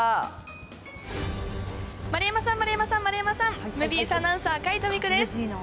丸山さん、丸山さん、丸山さん、ＭＢＳアナウンサー、海渡未来です。